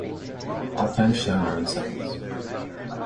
All times shown are in seconds.